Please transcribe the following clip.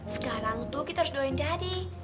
sekarang tuh kita harus doain dari